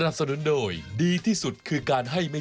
โปรดติดตามตอนต่อไป